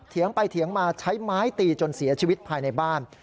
ไปเถียงมาใช้ไม้ตีจนเสียชีวิตภายในบ้าน